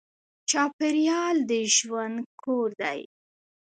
چاپېریال د ژوند کور دی.